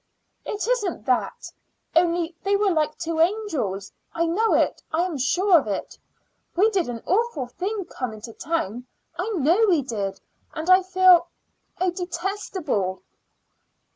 "It isn't that; only they were like two angels. I know it; I am sure of it. We did an awful thing coming to town; I know we did, and I feel oh, detestable!"